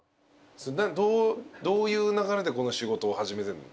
どういう流れでこの仕事を始めてるの？